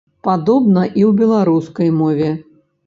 Падобна і ў беларускай мове.